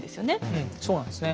うんそうなんですね。